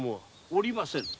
おりませぬ。